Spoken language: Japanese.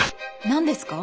何ですか？